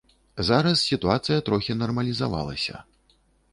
Зараз сітуацыя трохі нармалізавалася.